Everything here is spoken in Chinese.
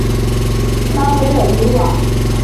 拉韦尔努瓦。